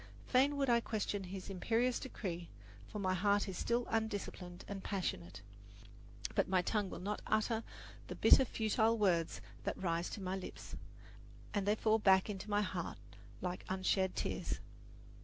Fain would I question his imperious decree, for my heart is still undisciplined and passionate; but my tongue will not utter the bitter, futile words that rise to my lips, and they fall back into my heart like unshed tears.